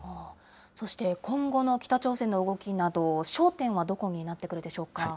そして、今後の北朝鮮の動きなど、焦点はどこになってくるでしょうか。